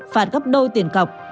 phạt gấp đôi tiền cọc